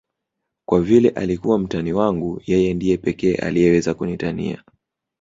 Kwa vile alikuwa mtani wangu yeye ndiye pekee aliyeweza kunitania